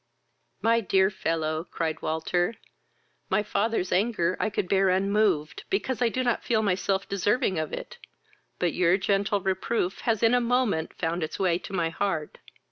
"My dear fellow, (cried Walter,) my father's anger I could bear unmoved, because I do not feel myself deserving of it, but your gentle reproof has in a moment found its way to my heart.